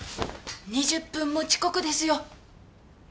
２０分も遅刻ですよ。